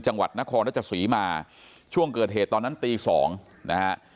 จังหวัดนครรัชศรีมาช่วงเกิดเหตุตอนนั้นตีสองนะฮะ